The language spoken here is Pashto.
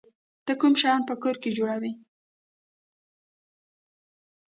ته کوم شیان په کور کې جوړوی؟